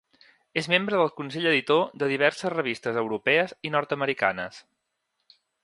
És membre del consell editor de diverses revistes europees i nord-americanes.